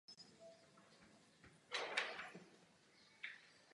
Ještě větší pozornost věnoval zásobování obilím.